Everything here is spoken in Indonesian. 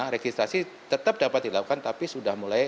registrasi tetap dapat dilakukan tapi sudah mulai